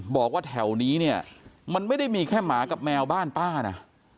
บอกว่าแถวนี้เนี่ยมันไม่ได้มีแค่หมากับแมวบ้านป้านะ